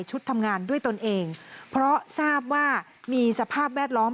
ทำงานด้วยตนเองเพราะทราบว่ามีสภาพแวดล้อม